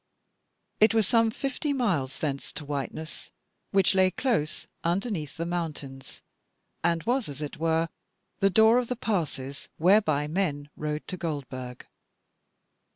It was some fifty miles thence to Whiteness, which lay close underneath the mountains, and was, as it were, the door of the passes whereby men rode to Goldburg.